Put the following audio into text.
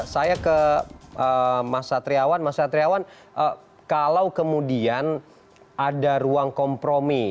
saya ke mas satriawan mas satriawan kalau kemudian ada ruang kompromi